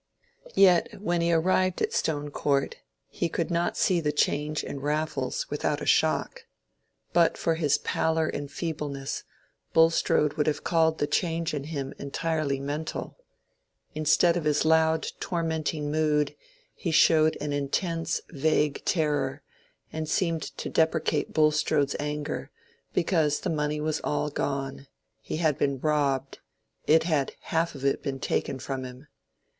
Yet when he arrived at Stone Court he could not see the change in Raffles without a shock. But for his pallor and feebleness, Bulstrode would have called the change in him entirely mental. Instead of his loud tormenting mood, he showed an intense, vague terror, and seemed to deprecate Bulstrode's anger, because the money was all gone—he had been robbed—it had half of it been taken from him.